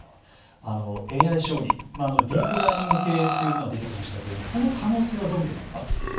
ＡＩ将棋ディープラーニング系というものが出てきましたけれどもこの可能性はどう見てますか。